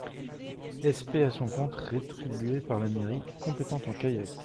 SP à son compte, rétribuée par la mairie, compétente en kayak.